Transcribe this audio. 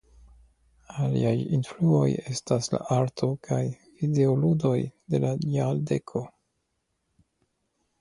Aliaj influoj estas la arto kaj videoludoj de la jardeko.